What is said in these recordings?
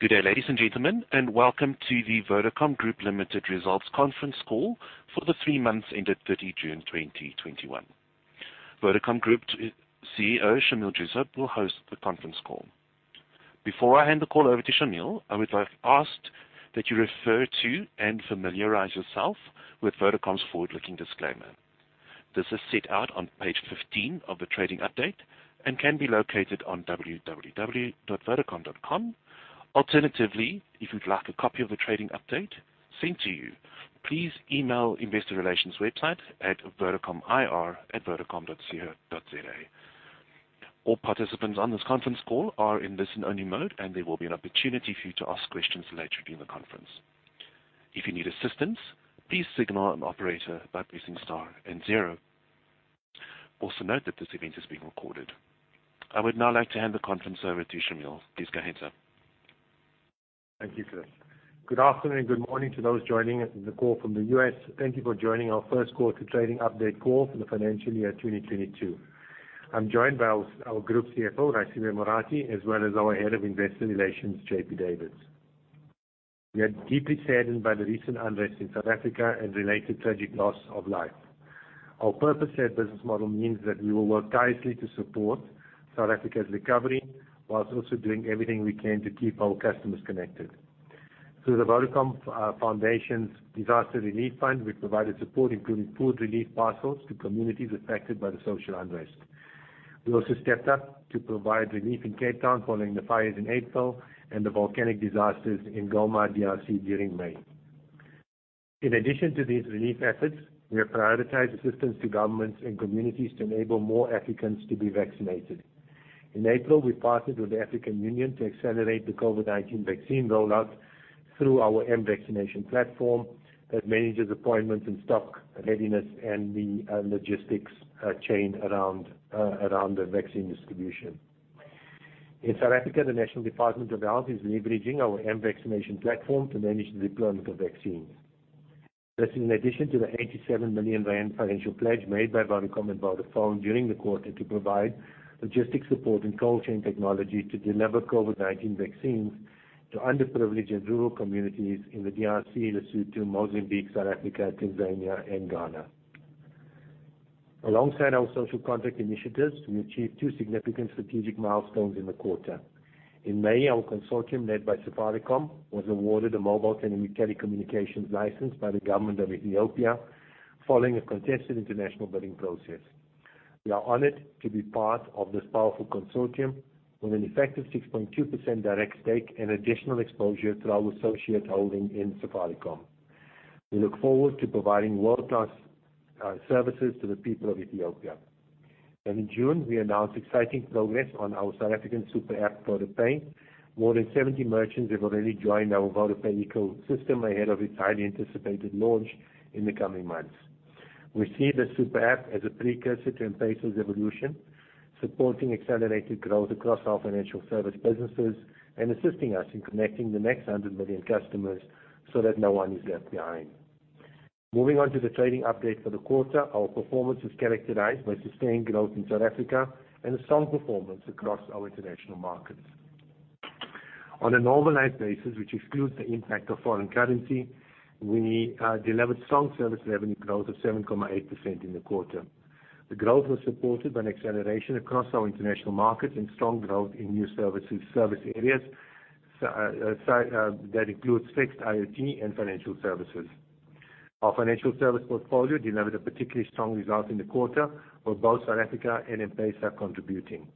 Good day, ladies and gentlemen, and welcome to the Vodacom Group Limited results conference call for the three months ended 30 June 2021. Vodacom Group CEO, Shameel Joosub, will host the conference call. Before I hand the call over to Shameel, I would have asked that you refer to and familiarize yourself with Vodacom's forward-looking disclaimer. This is set out on page 15 of the trading update and can be located on www.vodacom.com. Alternatively, if you'd like a copy of the trading update sent to you, please email investor relations website at vodacomir@vodacom.co.za. All participants on this conference call are in listen-only mode, and there will be an opportunity for you to ask questions later during the conference. If you need assistance, please signal an operator by pressing star and zero. Also, note that this event is being recorded. I would now like to hand the conference over to Shameel. Please go ahead, sir. Thank you, Chris. Good afternoon, good morning to those joining us in the call from the U.S. Thank you for joining our first quarter trading update call for the financial year 2022. I'm joined by our Group CFO, Raisibe Morathi, as well as our Head of Investor Relations, JP Davids. We are deeply saddened by the recent unrest in South Africa and related tragic loss of life. Our purpose and business model means that we will work tirelessly to support South Africa's recovery, while also doing everything we can to keep our customers connected. Through the Vodacom Foundation's Disaster Relief Fund, we provided support, including food relief parcels to communities affected by the social unrest. We also stepped up to provide relief in Cape Town following the fires in April and the volcanic disasters in Goma, D.R.C. during May. In addition to these relief efforts, we have prioritized assistance to governments and communities to enable more Africans to be vaccinated. In April, we partnered with the African Union to accelerate the COVID-19 vaccine rollout through our mVacciNation platform that manages appointments and stock readiness and the logistics chain around the vaccine distribution. In South Africa, the National Department of Health is leveraging our mVacciNation platform to manage the deployment of vaccines. This is in addition to the 87 million rand financial pledge made by Vodacom and Vodafone during the quarter to provide logistic support and cold chain technology to deliver COVID-19 vaccines to underprivileged and rural communities in the D.R.C., Lesotho, Mozambique, South Africa, Tanzania and Ghana. Alongside our social contract initiatives, we achieved two significant strategic milestones in the quarter. In May, our consortium, led by Safaricom, was awarded a mobile telecommunications license by the government of Ethiopia following a contested international bidding process. We are honored to be part of this powerful consortium with an effective 6.2% direct stake and additional exposure through our associate holding in Safaricom. We look forward to providing world-class services to the people of Ethiopia. In June, we announced exciting progress on our South African Super App, VodaPay. More than 70 merchants have already joined our VodaPay ecosystem ahead of its highly anticipated launch in the coming months. We see this Super App as a precursor to M-PESA's evolution, supporting accelerated growth across our financial service businesses and assisting us in connecting the next 100 million customers so that no one is left behind. Moving on to the trading update for the quarter, our performance was characterized by sustained growth in South Africa and a strong performance across our international markets. On a normalized basis, which excludes the impact of foreign currency, we delivered strong service revenue growth of 7.8% in the quarter. The growth was supported by an acceleration across our international markets and strong growth in new service areas that includes fixed IoT and financial services. Our financial service portfolio delivered a particularly strong result in the quarter, with both South Africa and M-PESA contributing.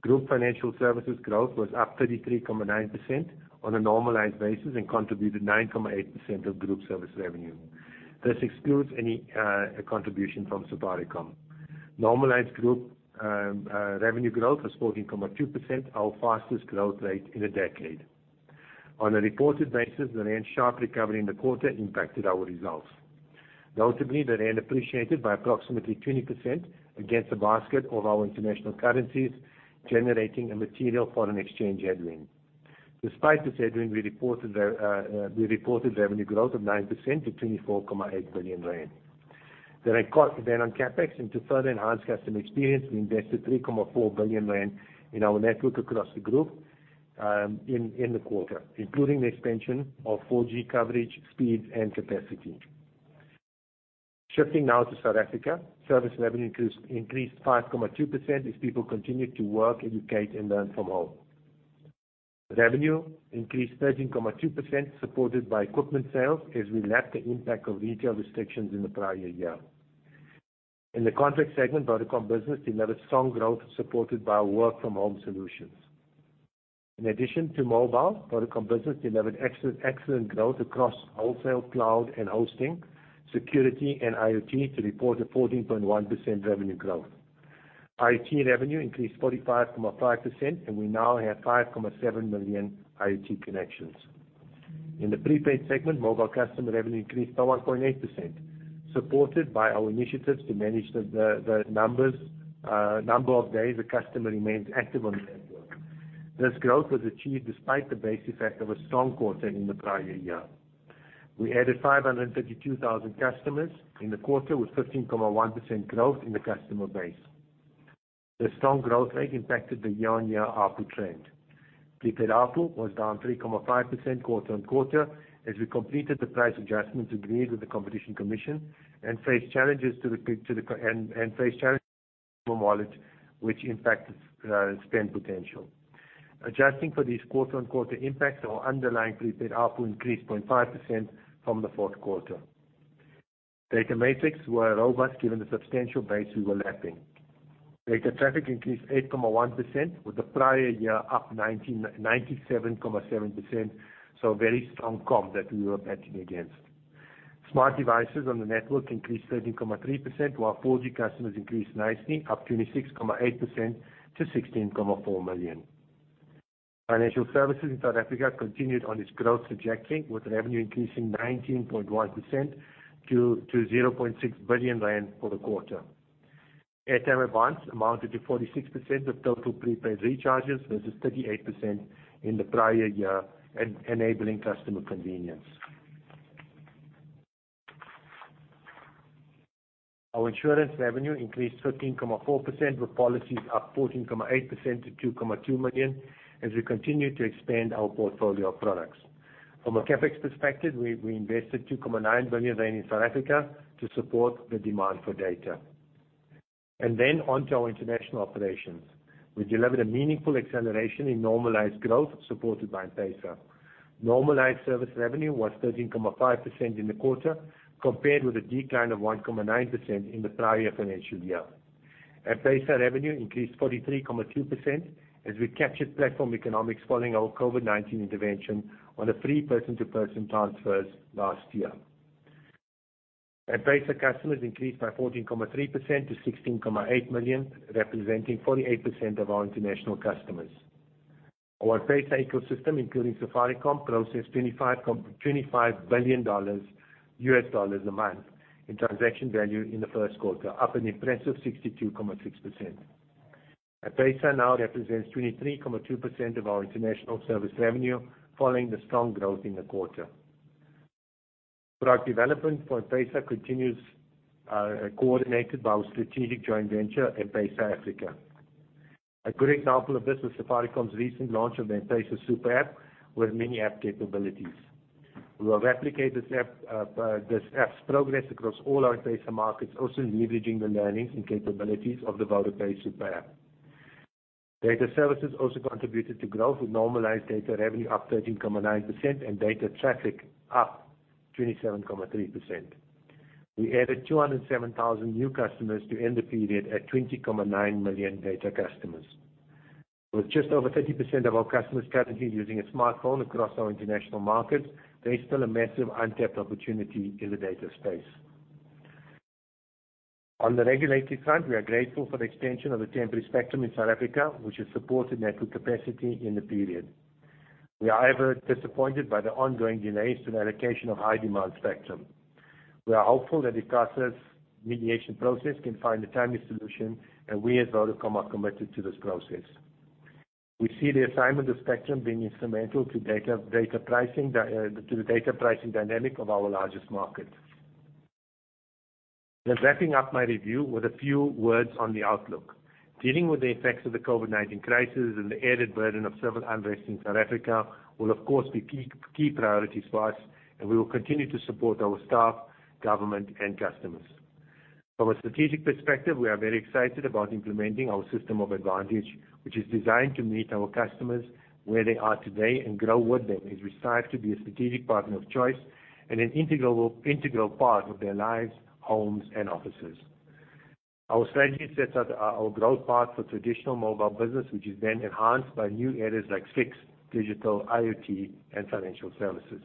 Group financial services growth was up 33.9% on a normalized basis and contributed 9.8% of group service revenue. This excludes any contribution from Safaricom. Normalized group revenue growth was 14.2%, our fastest growth rate in a decade. On a reported basis, the rand sharp recovery in the quarter impacted our results. Notably, the rand appreciated by approximately 20% against the basket of our international currencies, generating a material foreign exchange headwind. Despite this headwind, we reported revenue growth of 9% to 24.8 billion rand. On CapEx and to further enhance customer experience, we invested 3.4 billion rand in our network across the group in the quarter, including the expansion of 4G coverage, speed and capacity. Shifting now to South Africa, service revenue increased 5.2% as people continued to work, educate and learn from home. Revenue increased 13.2%, supported by equipment sales, as we lapped the impact of retail restrictions in the prior year. In the contract segment, Vodacom Business delivered strong growth supported by our work from home solutions. In addition to mobile, Vodacom Business delivered excellent growth across wholesale, cloud and hosting, security and IoT to report a 14.1% revenue growth. IoT revenue increased 45.5%, and we now have 5.7 million IoT connections. In the prepaid segment, mobile customer revenue increased by 1.8%, supported by our initiatives to manage the number of days a customer remains active on the network. This growth was achieved despite the base effect of a strong quarter in the prior year. We added 532,000 customers in the quarter, with 15.1% growth in the customer base. The strong growth rate impacted the year-on-year ARPU trend. Prepaid ARPU was down 3.5% quarter-on-quarter, as we completed the price adjustments agreed with the Competition Commission and faced challenges to the customer wallet, which impacted spend potential. Adjusting for these quarter-on-quarter impacts, our underlying prepaid ARPU increased 0.5% from the fourth quarter. Data metrics were robust given the substantial base we were lapping. Data traffic increased 8.1%, with the prior year up 97.7%, so a very strong comp that we were batting against. Smart devices on the network increased 13.3%, while 4G customers increased nicely, up 26.8% to 16.4 million. Financial services in South Africa continued on its growth trajectory, with revenue increasing 19.1% to 0.6 billion rand for the quarter. Airtime advances amounted to 46% of total prepaid recharges versus 38% in the prior year, enabling customer convenience. Our insurance revenue increased 13.4%, with policies up 14.8% to 2.2 million, as we continue to expand our portfolio of products. From a CapEx perspective, we invested 2.9 billion in South Africa to support the demand for data. On to our international operations. We delivered a meaningful acceleration in normalized growth supported by M-PESA. Normalized service revenue was 13.5% in the quarter, compared with a decline of 1.9% in the prior financial year. M-PESA revenue increased 43.2% as we captured platform economics following our COVID-19 intervention on free person-to-person transfers last year. M-PESA customers increased by 14.3% to 16.8 million, representing 48% of our international customers. Our M-PESA ecosystem, including Safaricom, processed $25 billion a month in transaction value in the first quarter, up an impressive 62.6%. M-PESA now represents 23.2% of our international service revenue following the strong growth in the quarter. Product development for M-PESA continues, coordinated by our strategic joint venture, M-PESA Africa. A good example of this was Safaricom's recent launch of the M-PESA Super App, with many app capabilities. We will replicate this app's progress across all our M-PESA markets, also leveraging the learnings and capabilities of the VodaPay Super App. Data services also contributed to growth, with normalized data revenue up 13.9% and data traffic up 27.3%. We added 207,000 new customers to end the period at 20.9 million data customers. With just over 30% of our customers currently using a smartphone across our international markets, there is still a massive untapped opportunity in the data space. On the regulated front, we are grateful for the extension of the temporary spectrum in South Africa, which has supported network capacity in the period. We are, however, disappointed by the ongoing delays to the allocation of high-demand spectrum. We are hopeful that ICASA's mediation process can find a timely solution, and we at Vodacom are committed to this process. We see the assignment of spectrum being instrumental to the data pricing dynamic of our largest market. Wrapping up my review with a few words on the outlook, dealing with the effects of the COVID-19 crisis and the added burden of civil unrest in South Africa will, of course, be key priorities for us, and we will continue to support our staff, government, and customers. From a strategic perspective, we are very excited about implementing our system of advantage, which is designed to meet our customers where they are today and grow with them as we strive to be a strategic partner of choice and an integral part of their lives, homes, and offices. Our strategy sets out our growth path for traditional mobile business, which is then enhanced by new areas like Fixed, Digital, IoT, and financial services.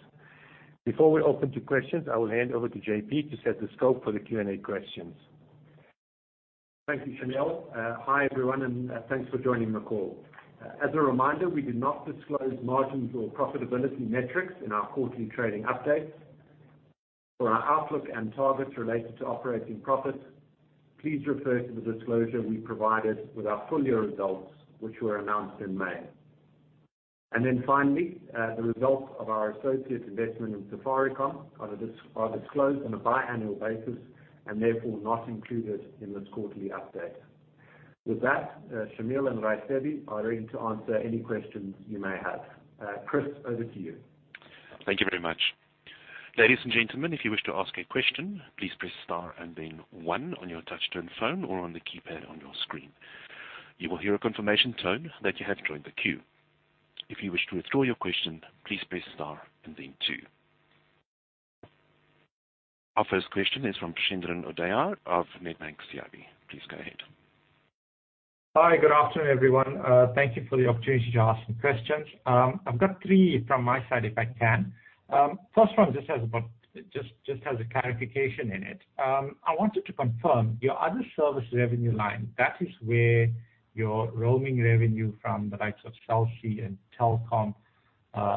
Before we open to questions, I will hand over to JP to set the scope for the Q&A questions. Thank you, Shameel. Hi,` everyone, thanks for joining the call. As a reminder, we do not disclose margins or profitability metrics in our quarterly trading updates. For our outlook and targets related to operating profit, please refer to the disclosure we provided with our full year results, which were announced in May. Finally, the results of our associate investment in Safaricom are disclosed on a biannual basis and therefore not included in this quarterly update. That, Shameel and Raisibe are ready to answer any questions you may have. Chris, over to you. Thank you very much. Ladies and gentlemen, if you wish to ask a question, please press star and then one on your touch-tone phone or on the keypad on your screen. You will hear a confirmation tone that you have joined the queue. If you wish to withdraw your question, please press star and then two. Our first question is from Preshendran Odayar of Nedbank CIB. Please go ahead. Hi. Good afternoon, everyone. Thank you for the opportunity to ask some questions. I've got three from my side, if I can. First one just has a clarification in it. I wanted to confirm, your other service revenue line, that is where your roaming revenue from the likes of Cell C and Telkom,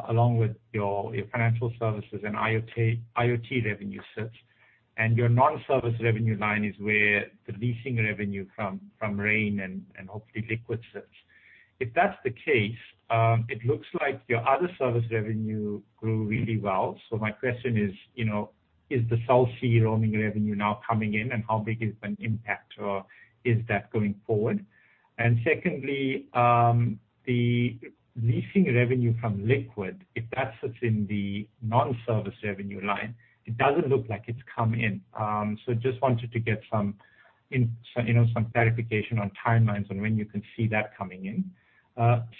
along with your financial services and IoT revenue sits, and your non-service revenue line is where the leasing revenue from Rain and hopefully Liquid sits. If that's the case, it looks like your other service revenue grew really well. My question is the Cell C roaming revenue now coming in, and how big is an impact or is that going forward? Secondly, the leasing revenue from Liquid, if that sits in the non-service revenue line, it doesn't look like it's come in. Just wanted to get some clarification on timelines on when you can see that coming in.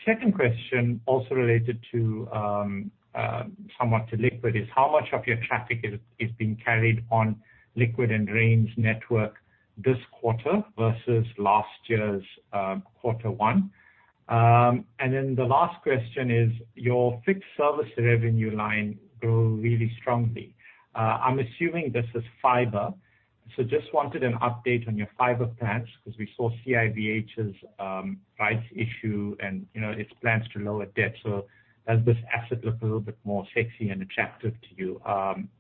Second question, also related somewhat to Liquid, is how much of your traffic is being carried on Liquid and Rain's network this quarter versus last year's quarter one? The last question is, your fixed service revenue line grew really strongly. I'm assuming this is fiber. Just wanted an update on your fiber plans, because we saw CIVH's rights issue and its plans to lower debt. Does this asset look a little bit more sexy and attractive to you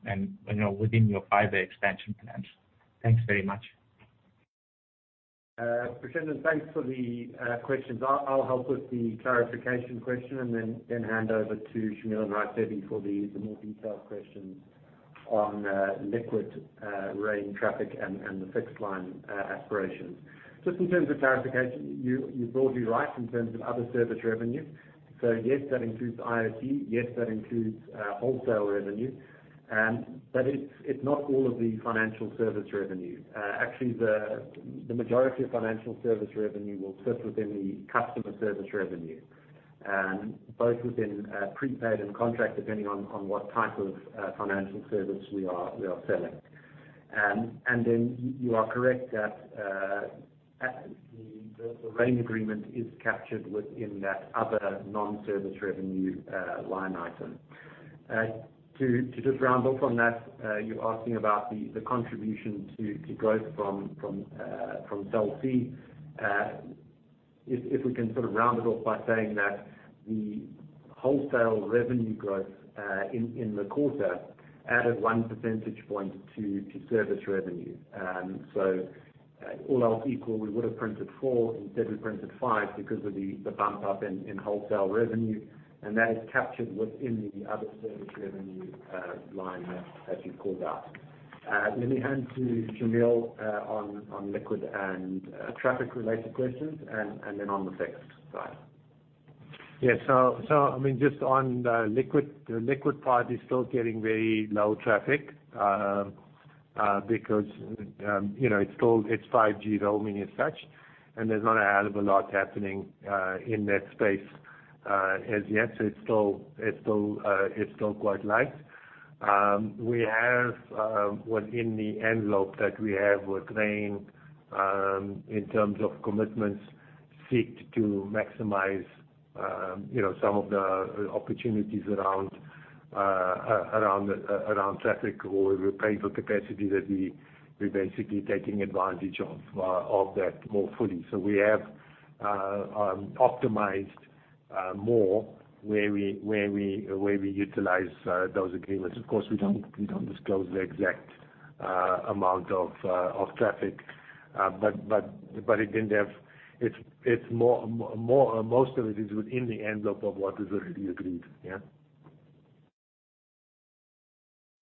and within your fiber expansion plans? Thanks very much. Preshendran Odayar, thanks for the questions. I'll help with the clarification question and then hand over to Shameel and Raisibe for the more detailed questions on Liquid, Rain traffic, and the fixed line aspirations. Just in terms of clarification, you're broadly right in terms of other service revenue. Yes, that includes ISP. Yes, that includes wholesale revenue. It's not all of the financial service revenue. Actually, the majority of financial service revenue will sit within the customer service revenue, both within prepaid and contract, depending on what type of financial service we are selling. You are correct that the Rain agreement is captured within that other non-service revenue line item. To just round off on that, you're asking about the contribution to growth from Cell C. If we can sort of round it off by saying that the wholesale revenue growth in the quarter added 1 percentage point to service revenue. All else equal, we would have printed four, instead we printed five because of the bump up in wholesale revenue, and that is captured within the other service revenue line, as you've called out. Let me hand to Shameel on Liquid and traffic related questions, and then on the fixed side. Yeah. Just on the Liquid part, it's still getting very low traffic, because it's 5G roaming and such, and there's not a hell of a lot happening in that space as yet. It's still quite light. We have within the envelope that we have with Rain, in terms of commitments, seeked to maximize some of the opportunities around traffic or available capacity that we're basically taking advantage of that more fully. We have optimized more where we utilize those agreements. Of course, we don't disclose the exact amount of traffic. Most of it is within the envelope of what is already agreed. Yeah.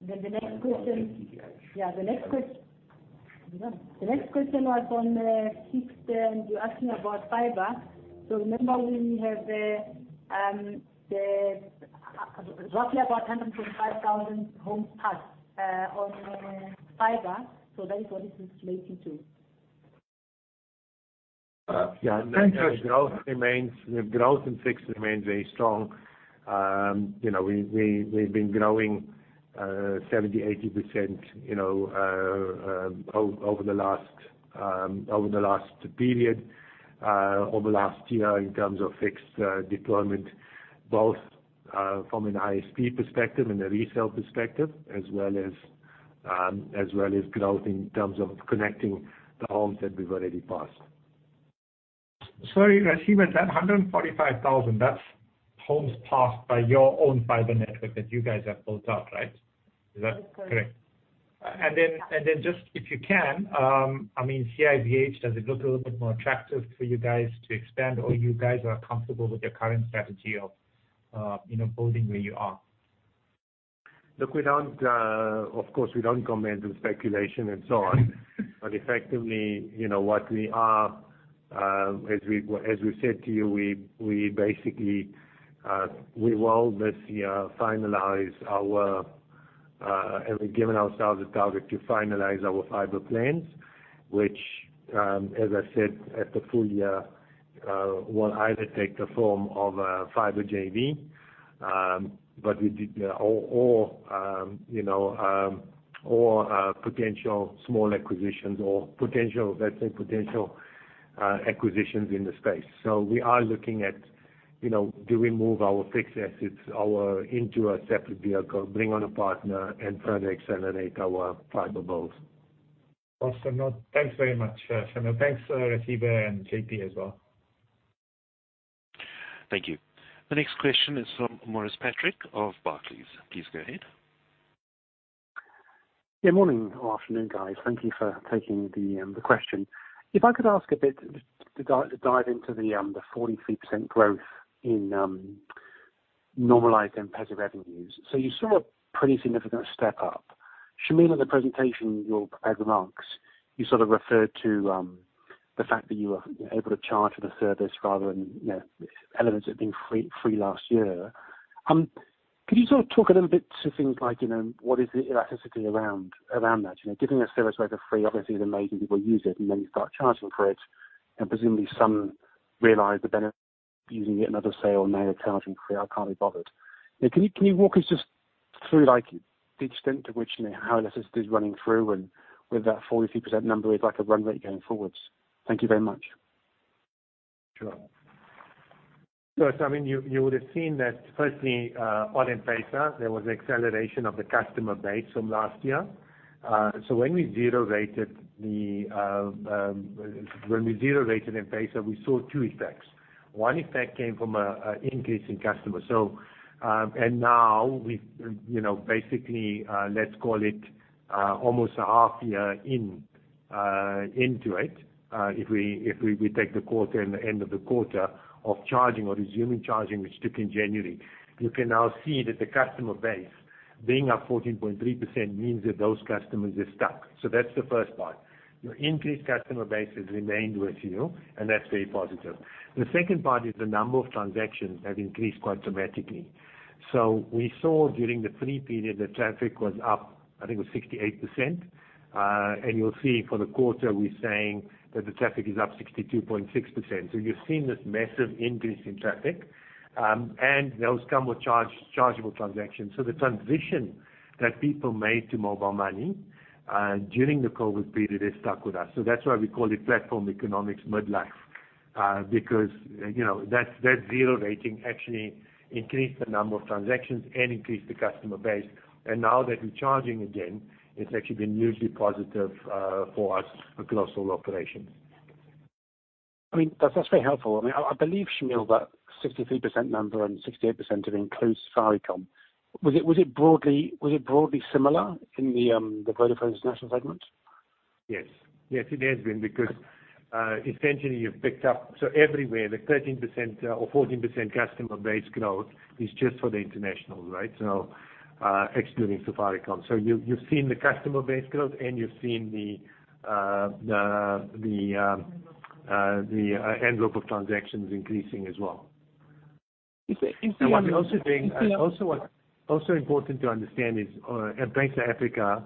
The next question was on fixed, and you're asking about fiber. Remember, we have roughly about 145,000 homes passed on fiber. That is what this is relating to. Yeah. Thank you. The growth in fixed remains very strong. We've been growing 70%-80% over the last period, over last year in terms of fixed deployment, both from an ISP perspective and a resale perspective, as well as growth in terms of connecting the homes that we've already passed. Sorry, Raisibe, is that 145,000, that's homes passed by your own fiber network that you guys have built out, right? Is that correct? That's correct. Just, if you can, CIVH, does it look a little bit more attractive for you guys to expand or you guys are comfortable with your current strategy of building where you are? Of course, we don't comment on speculation and so on. Effectively, what we are, as we said to you, we basically, we will this year finalize our, and we've given ourselves a target to finalize our fiber plans, which, as I said, at the full year, will either take the form of a fiber JV, or potential small acquisitions, or let's say, potential acquisitions in the space. We are looking at, do we move our fixed assets into a separate vehicle, bring on a partner, and further accelerate our fiber builds. Awesome. Thanks very much, Shameel. Thanks, Raisibe and JP as well. Thank you. The next question is from Maurice Patrick of Barclays. Please go ahead. Yeah. Morning or afternoon, guys. Thank you for taking the question. If I could ask a bit to dive into the 43% growth in normalized M-PESA revenues. You saw a pretty significant step up. Shameel in the presentation, your prepared remarks, you referred to the fact that you are able to charge for the service rather than elements that have been free last year. Could you talk a little bit to things like what is the elasticity around that? Giving a service away for free, obviously then maybe people use it, then you start charging for it. Presumably some realize the benefit using it and others say, "Well, now you're charging for it, I can't be bothered." Can you walk us just through the extent to which how elasticity is running through and whether that 43% number is like a run rate going forward Thank you very much. Sure. You would've seen that firstly, on M-PESA, there was an acceleration of the customer base from last year. When we zero-rated M-PESA, we saw two effects. One effect came from an increase in customers. Now, basically, let's call it almost a half year into it, if we take the quarter and the end of the quarter of charging or resuming charging, which took in January. You can now see that the customer base being up 14.3% means that those customers are stuck. That's the first part. Your increased customer base has remained with you, and that's very positive. The second part is the number of transactions have increased quite dramatically. We saw during the free period that traffic was up, I think it was 68%. You'll see for the quarter, we're saying that the traffic is up 62.6%. You're seeing this massive increase in traffic, and those come with chargeable transactions. The transition that people made to mobile money during the COVID-19 period is stuck with us. That's why we call it platform economics midlife. Because that zero rating actually increased the number of transactions and increased the customer base. Now that we're charging again, it's actually been hugely positive for us across all operations. I mean, that's very helpful. I believe, Shameel, that 63% number and 68% have increased Safaricom. Was it broadly similar in the Vodafone international segment? Yes. Yes, it has been because, essentially, you've picked up everywhere, the 13% or 14% customer base growth is just for the internationals, right? Excluding Safaricom. You've seen the customer base growth, and you've seen the envelope of transactions increasing as well. If we- What's also important to understand is M-PESA Africa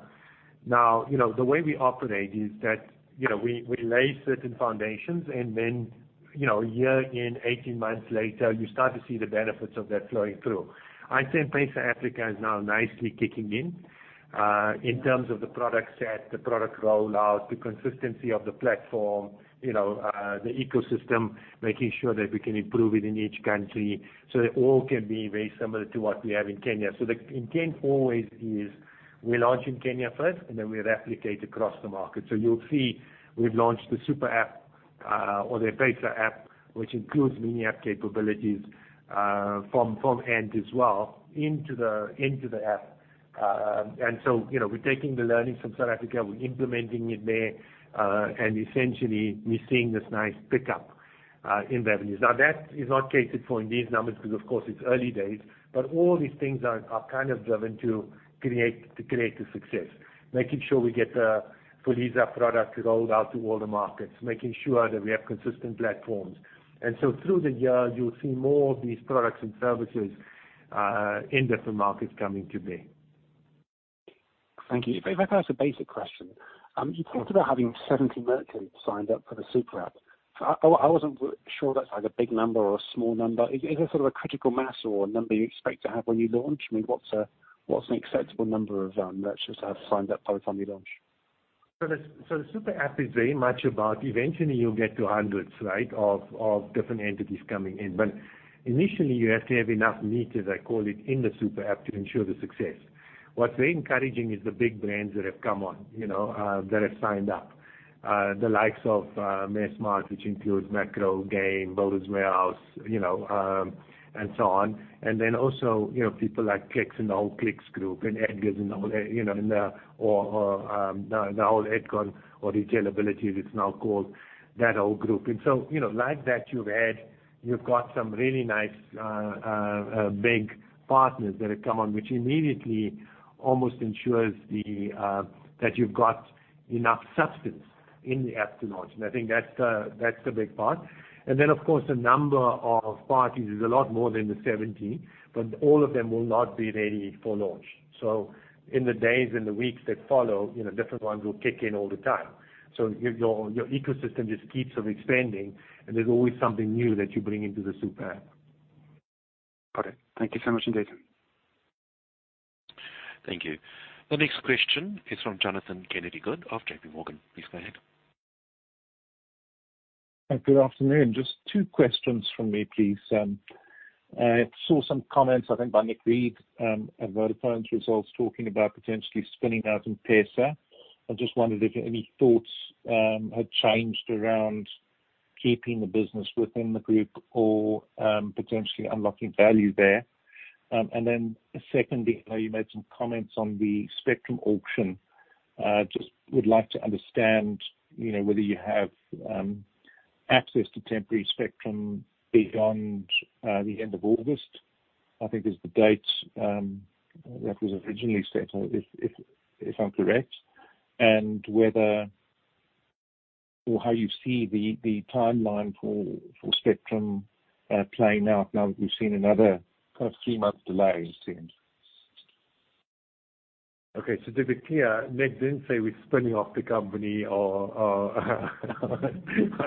now, the way we operate is that we lay certain foundations and then a year in, 18 months later, you start to see the benefits of that flowing through. I'd say M-PESA Africa is now nicely kicking in terms of the product set, the product rollout, the consistency of the platform, the ecosystem, making sure that we can improve it in each country so it all can be very similar to what we have in Kenya. The intent always is, we launch in Kenya first, and then we replicate across the market. You'll see we've launched the Super App, or the M-PESA app, which includes mini app capabilities, from Ant as well into the app. We're taking the learnings from South Africa, we're implementing it there, and essentially, we're seeing this nice pickup in revenues. That is not catered for in these numbers because, of course, it's early days. All these things are kind of driven to create the success, making sure we get the Fuliza product rolled out to all the markets, making sure that we have consistent platforms. Through the year, you'll see more of these products and services in different markets coming to bear. Thank you. If I can ask a basic question. You talked about having 70 merchants signed up for the Super App. I wasn't sure if that's like a big number or a small number. Is it sort of a critical mass or a number you expect to have when you launch? I mean, what's an acceptable number of merchants that have signed up by the time you launch? The Super App is very much about eventually you'll get to hundreds, right, of different entities coming in. Initially, you have to have enough meat, as I call it, in the Super App to ensure the success. What's very encouraging is the big brands that have come on, that have signed up. The likes of Massmart, which includes Makro, Game, Builders Warehouse, and so on. Also, people like Clicks and the whole Clicks Group and Edgars and the whole Edcon or Retailability it's now called, that whole group. Like that, you've got some really nice big partners that have come on, which immediately almost ensures that you've got enough substance in the app to launch. I think that's the big part. Of course, the number of parties is a lot more than the 70, but all of them will not be ready for launch. In the days, in the weeks that follow, different ones will kick in all the time. Your ecosystem just keeps on expanding, and there's always something new that you bring into the Super App. Got it. Thank you so much indeed. Thank you. The next question is from Jonathan Kennedy-Good of JPMorgan. Please go ahead. Good afternoon. Just two questions from me, please. I saw some comments, I think by Nick Read, at Vodafone's results, talking about potentially spinning out M-PESA. I just wondered if any thoughts had changed around keeping the business within the group or potentially unlocking value there. Secondly, you made some comments on the spectrum auction. Just would like to understand whether you have access to temporary spectrum beyond the end of August, I think is the date that was originally set, or if I'm correct, and whether or how you see the timeline for spectrum playing out now that we've seen another kind of three-month delay since. Okay. Just be clear, Nick didn't say we're spinning off the company or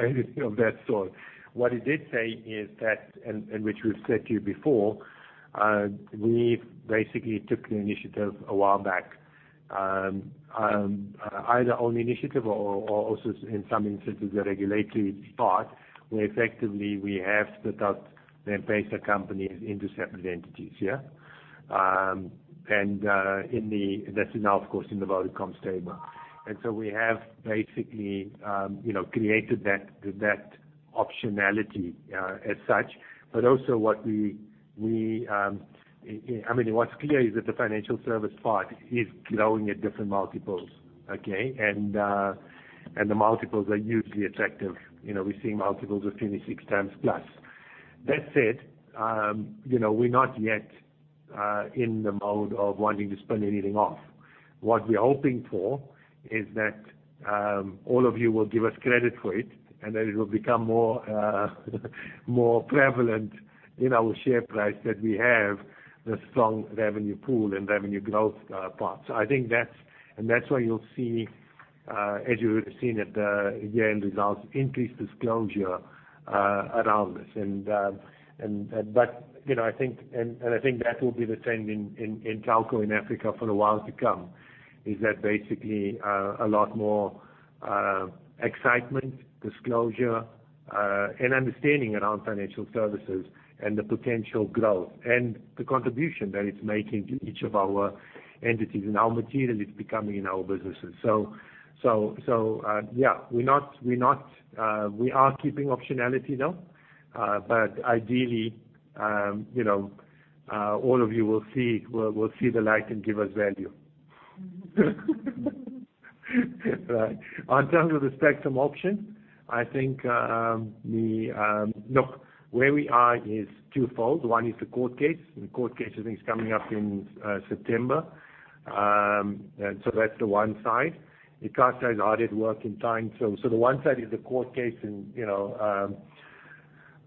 anything of that sort. What he did say is that, and which we've said to you before, we basically took the initiative a while back, either on initiative or also in some instances, the regulatory part, where effectively we have split up the M-PESA company into separate entities. Yeah. That's now, of course, in the Vodacom stable. We have basically created that optionality as such. Also what's clear is that the financial service part is growing at different multiples. Okay. The multiples are hugely attractive. We're seeing multiples of 26 times-plus. That said, we're not yet in the mode of wanting to spin anything off. What we're hoping for is that all of you will give us credit for it, and that it will become more prevalent in our share price that we have the strong revenue pool and revenue growth parts. That's where you'll see, as you would've seen at the year-end results, increased disclosure around this. I think that will be the trend in telco in Africa for a while to come, is that basically, a lot more excitement, disclosure, and understanding around financial services and the potential growth and the contribution that it's making to each of our entities and how material it's becoming in our businesses. Yeah, we are keeping optionality now. Ideally, all of you will see the light and give us value. On terms of the spectrum auction, look, where we are is twofold. One is the court case. The court case, I think, is coming up in September. That's the one side. The one side is the court case.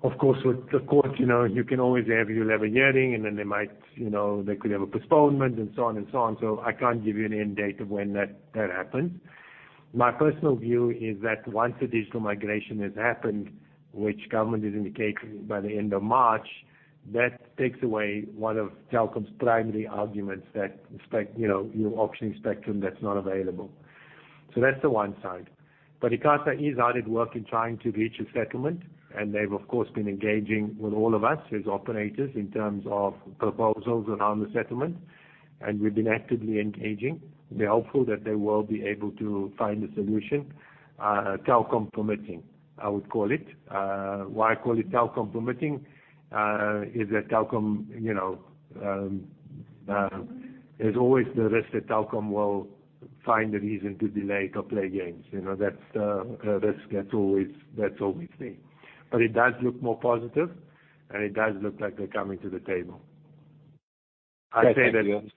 Of course, with the court, you can always have a hearing, then they could have a postponement and so on. I can't give you an end date of when that happens. My personal view is that once the digital migration has happened, which government has indicated by the end of March, that takes away one of Telkom's primary arguments that you're auctioning spectrum that's not available. That's the one side. ICASA is hard at work in trying to reach a settlement. They've, of course, been engaging with all of us as operators in terms of proposals around the settlement. We've been actively engaging. We're hopeful that they will be able to find a solution, Telkom permitting, I would call it. Why I call it Telkom permitting, is that there's always the risk that Telkom will find a reason to delay it or play games. That's risk. That's all we've seen. It does look more positive, and it does look like they're coming to the table. That's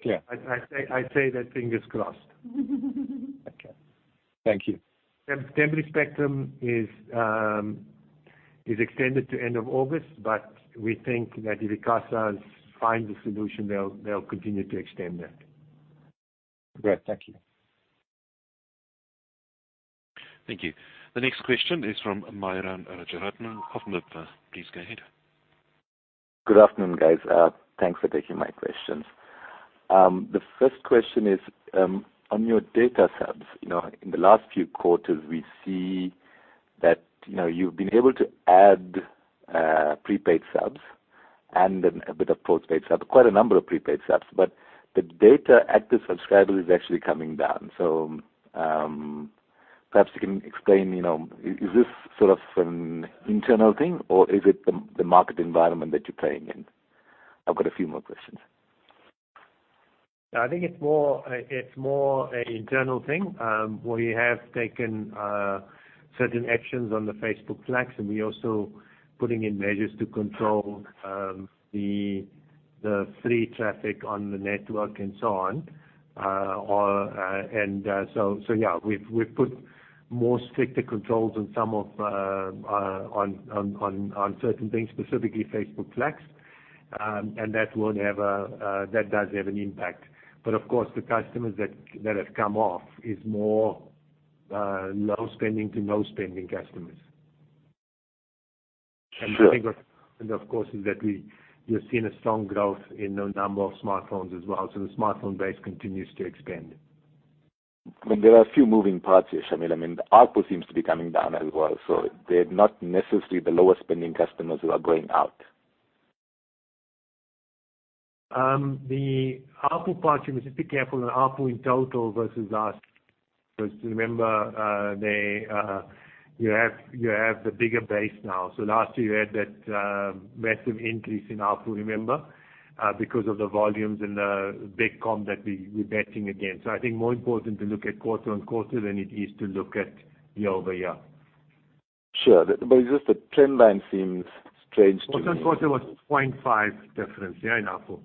clear. I say that fingers crossed. Okay. Thank you. Temporary spectrum is extended to end of August, but we think that if ICASA finds a solution, they'll continue to extend that. Great. Thank you. Thank you. The next question is from Myuran Rajaratnam of MIBFA. Please go ahead. Good afternoon, guys. Thanks for taking my questions. The first question is, on your data subs, in the last few quarters, we see that you've been able to add prepaid subs and then a bit of postpaid subs, quite a number of prepaid subs, but the data active subscribers is actually coming down. Perhaps you can explain, is this sort of an internal thing, or is it the market environment that you're playing in? I've got a few more questions. I think it's more an internal thing, where we have taken certain actions on the Facebook Flex, and we're also putting in measures to control the free traffic on the network and so on. Yeah. We've put more stricter controls on certain things, specifically Facebook Flex, and that does have an impact. Of course, the customers that have come off is more low spending to no spending customers. Sure. I think, of course, is that we have seen a strong growth in the number of smartphones as well. The smartphone base continues to expand. There are a few moving parts here, Shameel. ARPU seems to be coming down as well. They're not necessarily the lower spending customers who are going out. The ARPU part, you must just be careful on ARPU in total versus last. Remember, you have the bigger base now. Last year you had that massive increase in ARPU, remember? Of the volumes and the big comm that we're betting against. I think more important to look at quarter-on-quarter than it is to look at year-over-year. Sure. It's just the trend line seems strange to me. Quarter-on-quarter was 0.5 difference. Yeah, in ARPU.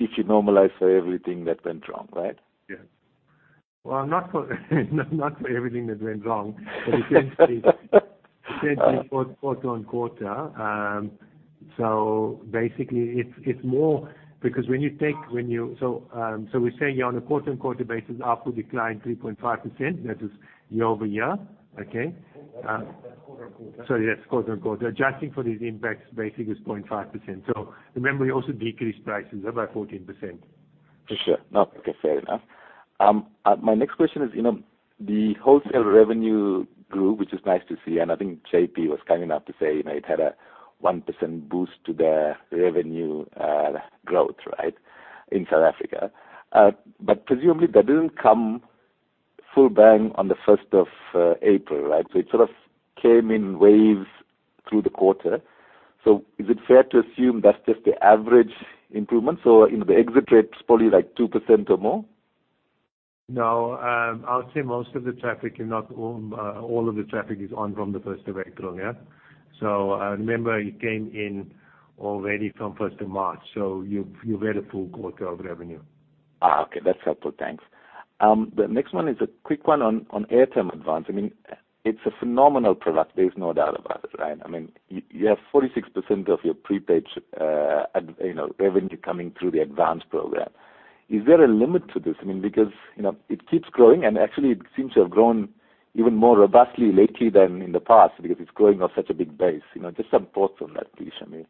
If you normalize for everything that went wrong, right? Yes. Well, not for everything that went wrong. Essentially, quarter-on-quarter. Basically, it's more we're saying on a quarter-on-quarter basis, ARPU declined 3.5%. That is year-over-year. Okay. That's quarter-on-quarter. Sorry, that's quarter-on-quarter. Adjusting for these impacts, basically is 0.5%. Remember, we also decreased prices by 14%. For sure. No, okay, fair enough. My next question is, the wholesale revenue grew, which is nice to see, and I think JP was kind enough to say, it had a 1% boost to their revenue growth, right, in South Africa. Presumably, that didn't come full bang on the 1st of April, right? It sort of came in waves through the quarter. Is it fair to assume that's just the average improvement? In the exit rates, probably like 2% or more? No, I would say most of the traffic, if not all of the traffic is on from the 1st of April, yeah? Remember, it came in already from 1st of March, so you've had a full quarter of revenue. Okay, that's helpful. Thanks. The next one is a quick one on airtime advance. It's a phenomenal product, there's no doubt about it, right? You have 46% of your prepaid revenue coming through the advance program. Is there a limit to this? Because it keeps growing, and actually, it seems to have grown even more robustly lately than in the past because it's growing off such a big base. Just some thoughts on that please, Shameel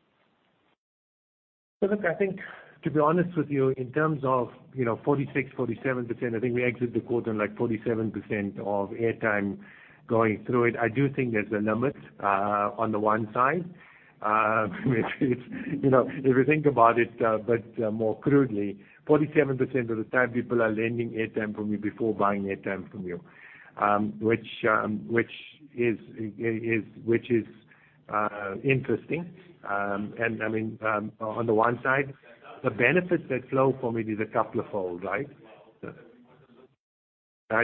Joosub. Look, I think to be honest with you, in terms of 46%-47%, I think we exit the quarter on like 47% of airtime going through it. I do think there's a limit on the one side. If you think about it, but more crudely, 47% of the time people are lending airtime from you before buying airtime from you, which is interesting. On the one side, the benefits that flow from it is a couple of fold, right?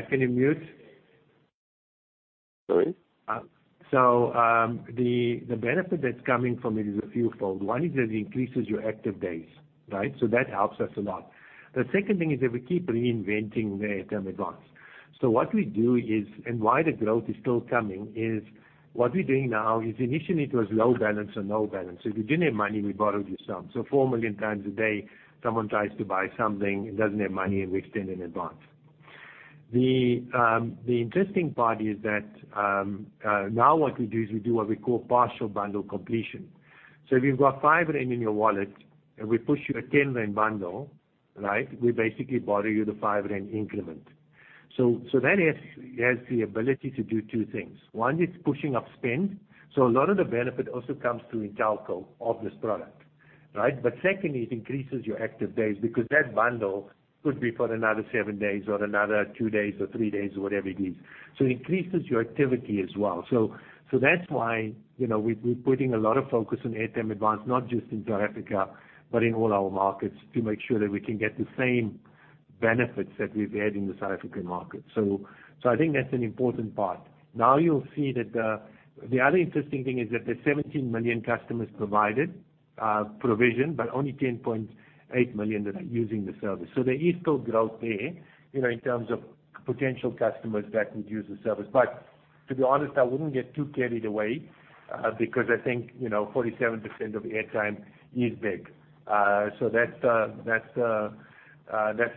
Can you mute? Sorry. The benefit that's coming from it is a fewfold. One is that it increases your active days, right? The second thing is that we keep reinventing the Advance. What we do is, and why the growth is still coming is, what we're doing now is initially it was low balance or no balance. If you didn't have money, we borrowed you some. 4 million times a day, someone tries to buy something and doesn't have money, and we extend an advance. The interesting part is that, now what we do is we do what we call partial bundle completion. If you've got 5 rand in your wallet and we push you a 10 rand bundle, right? We basically borrow you the 5 rand increment. That has the ability to do two things. One is pushing up spend. A lot of the benefit also comes through Intelco of this product, right? Second, it increases your active days because that bundle could be for another seven days or another two days or three days or whatever it is. It increases your activity as well. That's why we're putting a lot of focus on Advance not just in South Africa, but in all our markets to make sure that we can get the same benefits that we've had in the South African market. I think that's an important part. The other interesting thing is that there's 17 million customers provided, provision, but only 10.8 million that are using the service. There is still growth there, in terms of potential customers that would use the service. To be honest, I wouldn't get too carried away, because I think, 47% of airtime is big. That's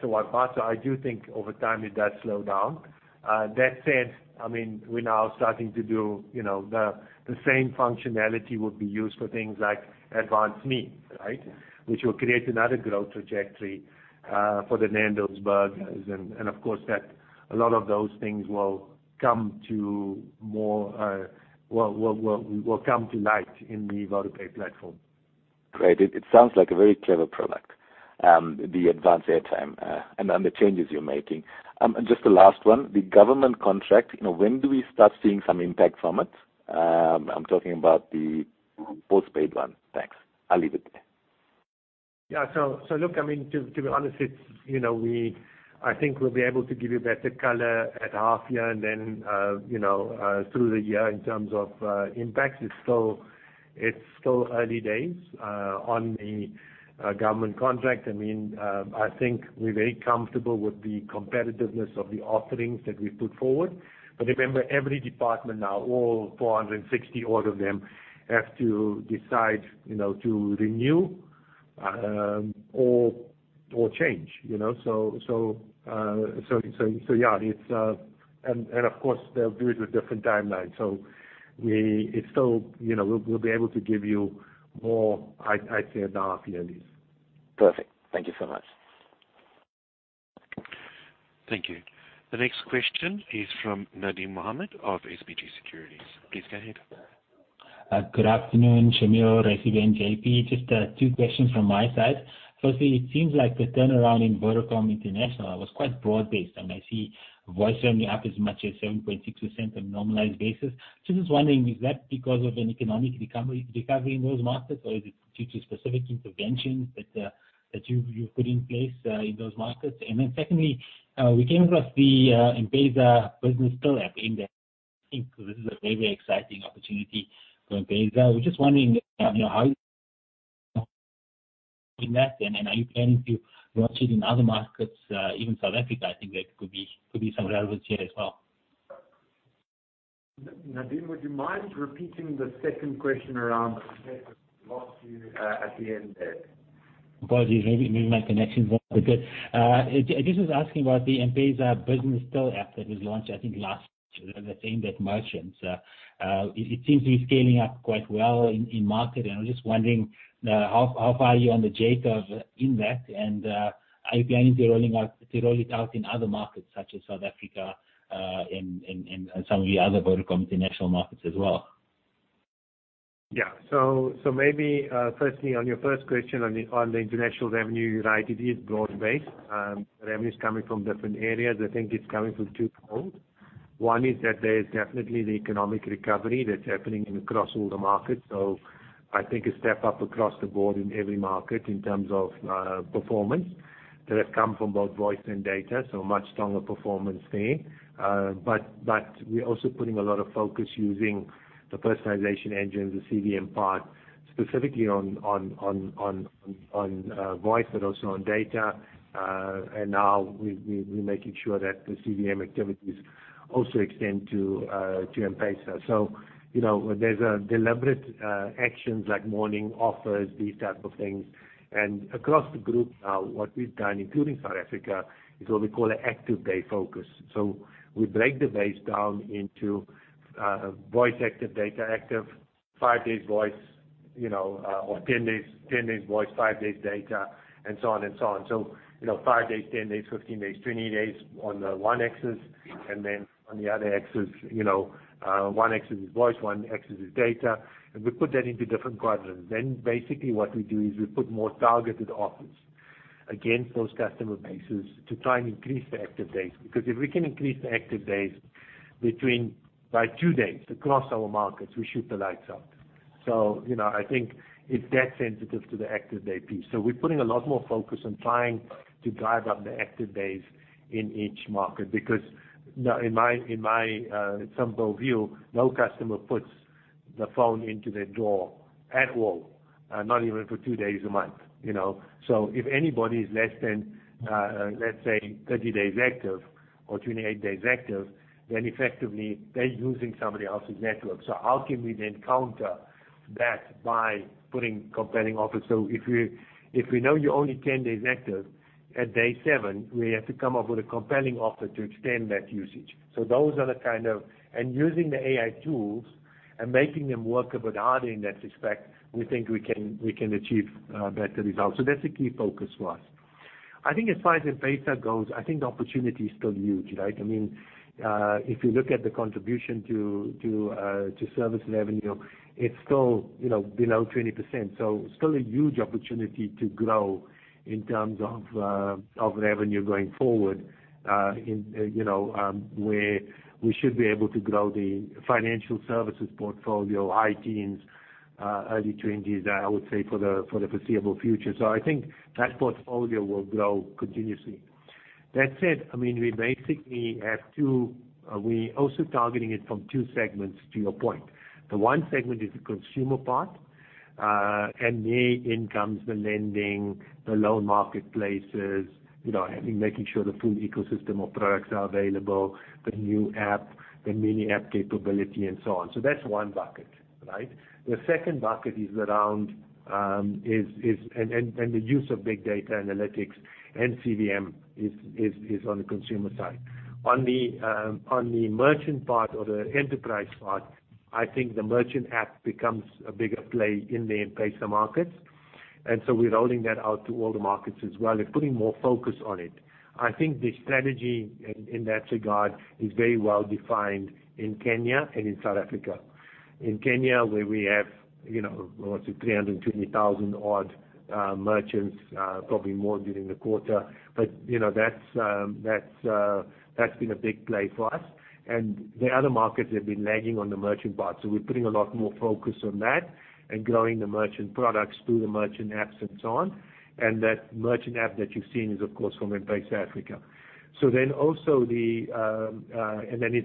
the one part. I do think over time, it does slow down. That said, we're now starting to do the same functionality would be used for things like Advance Me, right? Which will create another growth trajectory for the Nando's burgers, and of course that a lot of those things will come to light in the VodaPay platform. Great. It sounds like a very clever product, the advance airtime, and the changes you're making. Just the last one, the government contract, when do we start seeing some impact from it? I'm talking about the postpaid one. Thanks. I'll leave it there. Yeah. To be honest, I think we'll be able to give you better color at half year and then through the year in terms of impact. It's still early days on the government contract. I think we're very comfortable with the competitiveness of the offerings that we've put forward. Remember, every department now, all 460 odd of them, have to decide to renew or change. Of course, they'll do it with different timelines. We'll be able to give you more, I'd say, at half year at least. Perfect. Thank you so much. Thank you. The next question is from Nadim Mohamed of SBG Securities. Please go ahead. Good afternoon, Shameel, Raisibe, and JP. Just two questions from my side. Firstly, it seems like the turnaround in Vodacom International was quite broad-based. I see voice only up as much as 7.6% on a normalized basis. Just was wondering, is that because of an economic recovery in those markets, or is it due to specific interventions that you've put in place in those markets? Secondly, we came across the M-PESA for Business app in there. I think this is a very exciting opportunity for M-PESA. We're just wondering how in that then, are you planning to launch it in other markets, even South Africa? I think there could be some relevance here as well. Nadim, would you mind repeating the second question around? We lost you at the end there. Apologies. Maybe my connection's not so good. I just was asking about the M-PESA for Business app that was launched, I think last month. It seems to be scaling up quite well in market. I was just wondering how far are you on the take-up of in that. Are you planning to roll it out in other markets such as South Africa and some of the other Vodacom international markets as well? Yeah. Maybe, firstly, on your first question on the international revenue, right, it is broad-based. Revenue's coming from different areas. I think it's coming from two folds. One is that there's definitely the economic recovery that's happening across all the markets. I think a step up across the board in every market in terms of performance that has come from both voice and data, so much stronger performance there. We're also putting a lot of focus using the personalization engine, the CVM part, specifically on voice, but also on data. Now we're making sure that the CVM activities also extend to M-PESA. There's deliberate actions like morning offers, these type of things. Across the group now, what we've done, including South Africa, is what we call an active day focus. We break the base down into voice active, data active, five days voice, or 10 days voice, five days data, and so on. Five days, 10 days, 15 days, 20 days on the one axis, and then on the other axis, one axis is voice, one axis is data, and we put that into different quadrants. Basically what we do is we put more targeted offers against those customer bases to try and increase the active days. If we can increase the active days between by two days across our markets, we shoot the lights out. I think it's that sensitive to the active day piece. We're putting a lot more focus on trying to drive up the active days in each market, because in my simple view, no customer puts the phone into their drawer at all, not even for two days a month. If anybody is less than, let's say, 30 days active or 28 days active, then effectively they're using somebody else's network. How can we then counter that by putting compelling offers? If we know you're only 10 days active, at day seven, we have to come up with a compelling offer to extend that usage. Those are the kind of And using the AI tools and making them work a bit harder in that respect, we think we can achieve better results. That's the key focus for us. I think as far as M-PESA goes, I think the opportunity is still huge, right? If you look at the contribution to service revenue, it's still below 20%. Still a huge opportunity to grow in terms of revenue going forward, where we should be able to grow the financial services portfolio, high teens and early 20s, I would say for the foreseeable future. I think that portfolio will grow continuously. That said, we basically also targeting it from two segments, to your point. The one segment is the consumer part, and there in comes the lending, the loan marketplaces, making sure the full ecosystem of products are available, the new app, the mini app capability, and so on. That's one bucket, right? The second bucket is around, and the use of big data analytics and CVM is on the consumer side. On the merchant part or the enterprise part, I think the merchant app becomes a bigger play in the M-PESA markets. We're rolling that out to all the markets as well and putting more focus on it. I think the strategy in that regard is very well-defined in Kenya and in South Africa. In Kenya, where we have, what is it, 320,000-odd merchants, probably more during the quarter. That's been a big play for us. The other markets have been lagging on the merchant part. We're putting a lot more focus on that and growing the merchant products through the merchant apps and so on and that merchant app that you've seen is, of course, from M-PESA Africa. Then in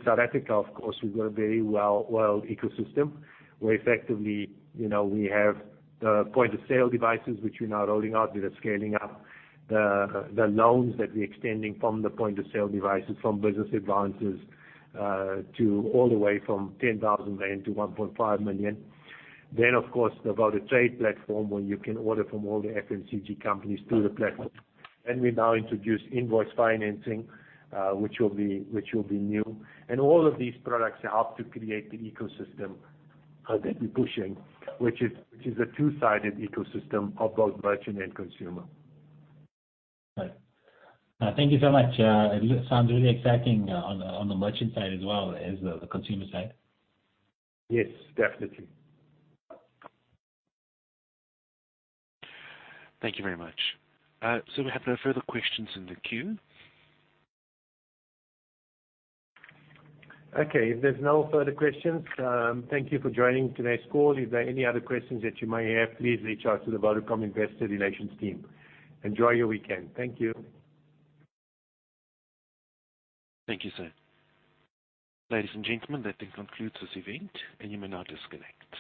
South Africa, of course, we've got a very well ecosystem, where effectively we have the point-of-sale devices, which we're now rolling out. We are scaling up the loans that we're extending from the point-of-sale devices, from business advances, to all the way from 10,000-1.5 million rand. Of course, the VodaTrade platform, where you can order from all the FMCG companies through the platform. We now introduce invoice financing, which will be new. All of these products help to create the ecosystem that we're pushing, which is a two-sided ecosystem of both merchant and consumer. Right. Thank you so much. It sounds really exciting on the merchant side as well as the consumer side. Yes, definitely. Thank you very much. We have no further questions in the queue. Okay. If there's no further questions, thank you for joining today's call. If there are any other questions that you may have, please reach out to the Vodacom investor relations team. Enjoy your weekend. Thank you. Thank you, sir. Ladies and gentlemen, that then concludes this event, and you may now disconnect.